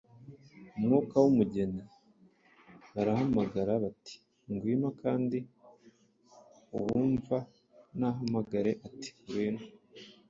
Umwuka n’Umugeni barahamagara bati : ‘Ngwino!’ Kandi uwumva nahamagare ati: ‘Ngwino!’